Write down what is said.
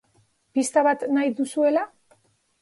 Pista bat nahi duzuela?